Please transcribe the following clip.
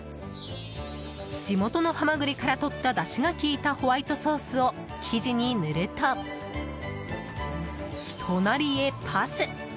地元のハマグリからとったダシが効いたホワイトソースを生地に塗ると隣へパス！